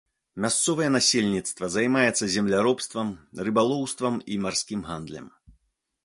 Мясцовае насельніцтва займаецца земляробствам, рыбалоўствам і марскім гандлем.